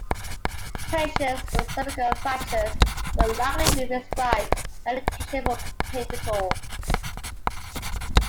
Patients with cervical fractures will likely be prescribed medication for pain control.